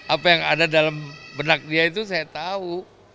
apa yang ada dalam benak dia itu saya tahu